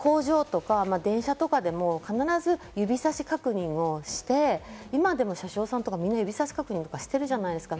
例えば危ない工場とか、電車とかでも必ず指さし確認をして今でも車掌さんとか、みんな指さし確認とかしてるじゃないですか。